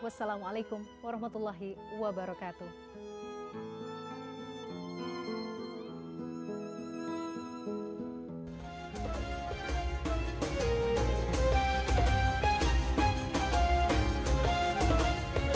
wassalamu'alaikum warahmatullahi wabarakatuh